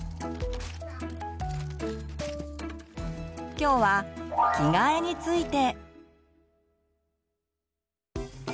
きょうは「着替え」について。